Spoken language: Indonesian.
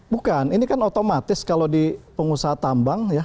bukan ini kan otomatis kalau di pengusaha tambang ya